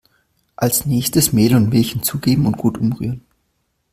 Als nächstes Mehl und Milch hinzugeben und gut umrühren.